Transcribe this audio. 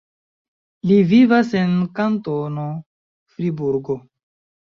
Li vivas en Kantono Friburgo.